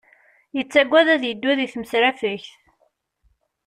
Yettaggad ad yeddu di tmesrafegt